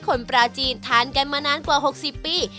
คนปลาจีนทานกันมานานกว่า๖๐ปี